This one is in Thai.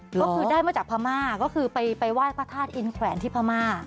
ก็คือได้มาจากพม่าก็คือไปไหว้พระธาตุอินแขวนที่พม่า